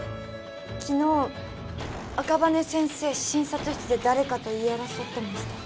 昨日赤羽先生診察室で誰かと言い争ってました。